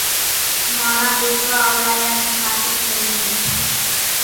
ماڻۿان ۮيتوا اولايا نِي کاتري ڪري سي